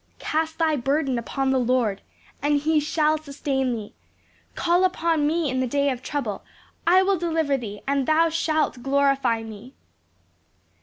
"Cast thy burden upon the Lord, and he shall sustain thee." "Call upon me in the day of trouble; I will deliver thee, and thou shalt glorify me."